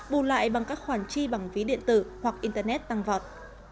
bù lại bằng các khoản chi bằng ví điện tử hoặc internet tăng vọt